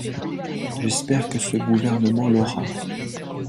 J’espère que ce gouvernement l’aura.